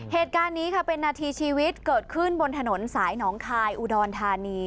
เหตุการณ์นี้ค่ะเป็นนาทีชีวิตเกิดขึ้นบนถนนสายหนองคายอุดรธานี